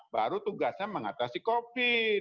baru tugasnya mengatasi covid